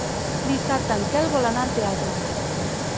Dissabte en Quel vol anar al teatre.